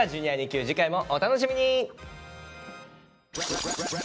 次回もお楽しみに！